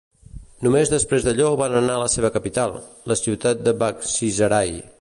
Només després d'allò van anar a la seva capital, la ciutat de Bakhchisarai.